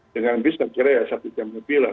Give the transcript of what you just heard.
dengan bisnis kira ya satu jam lebih lah